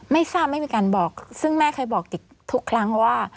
ไม่ทราบไม่มีการบอกซึ่งแม่เคยบอกติ๊กทุกครั้งว่า